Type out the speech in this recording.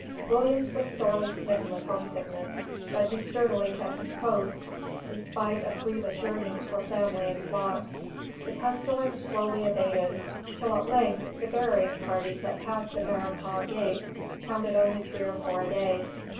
] Williams was sorely smitten with homesickness, but he sturdily kept his post, in spite of grievous yearnings for family and flock. The pestilence slowly abated, till at length the burying parties that passed the Maurepas Gate counted only three or four a day.